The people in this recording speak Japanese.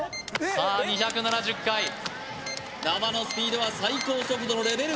さあ２７０回縄のスピードは最高速度のレベル